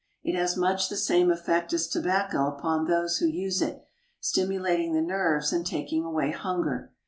It has much the same effect as tobacco upon those who use it, stimulating the nerves and taking away hunger.